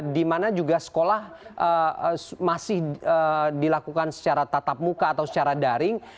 di mana juga sekolah masih dilakukan secara tatap muka atau secara daring